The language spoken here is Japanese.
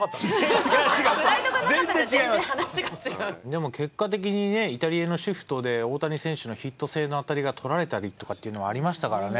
でも結果的にねイタリアのシフトで大谷選手のヒット性の当たりが捕られたりとかっていうのはありましたからね。